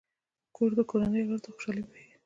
کور د کورنۍ غړو ته خوشحالي بښي.